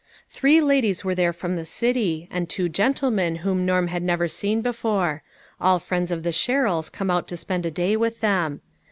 Three ladies were there from the city, and two gentlemen whom Norman had never seen be fore ; all friends of the Sherrills come out to spend a day with them.